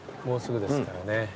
もうすぐですからね。